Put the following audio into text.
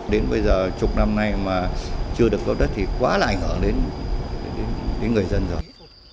đến bây giờ chục năm nay mà chưa được cấp đất thì quá là ảnh hưởng đến người dân rồi